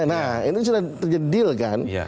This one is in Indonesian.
nah ini sudah terjadi deal kan